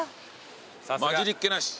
混じりっ気なし。